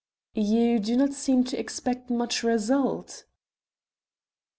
"You do not seem to expect much result?"